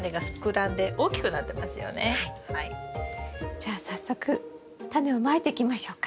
じゃあ早速タネをまいていきましょうか。